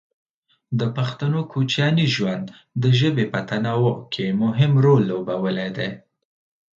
د پښتنو کوچیاني ژوند د ژبې په تنوع کې مهم رول لوبولی دی.